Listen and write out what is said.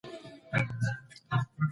کوربه هیواد وارداتي تعرفه نه زیاتوي.